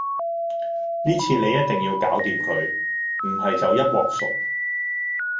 呢次你一定要搞掂佢，唔係就一鑊熟